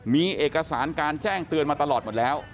มีเอกสารการแจ้งเตือนมาตลอดหมดแล้ว